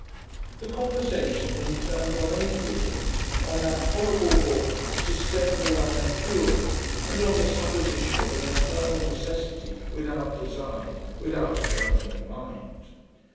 The conversation then turned on atheism; on that horrible book, Systeme de la Nature; and on the supposition of an eternal necessity, without design, without a governing mind.